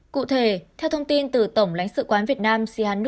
cụ thể theo thông tin từ tổng lãnh sự quán việt nam